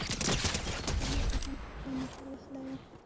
خاموش په جمپ کې موټر وهلی و.